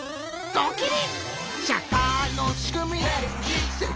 ドキリ！